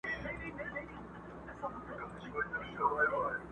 نه یې پښې لامبو ته جوړي نه لاسونه!!